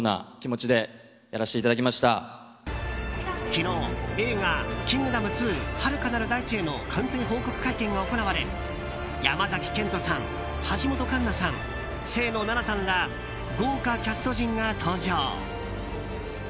昨日、映画「キングダム２遥かなる大地へ」の完成報告会見が行われ山崎賢人さん、橋本環奈さん清野菜名さんら豪華キャスト陣が登場。